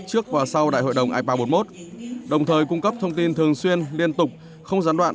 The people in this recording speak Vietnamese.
trước và sau đại hội đồng ipa bốn mươi một đồng thời cung cấp thông tin thường xuyên liên tục không gián đoạn